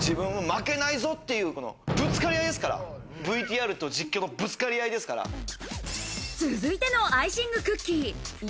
迫力、自分負けないぞっていうぶつかり合いですから、ＶＴＲと実況のぶつかり合いですから。続いてのアイシングクッキー。